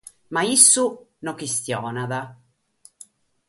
Ma issu no chistionat.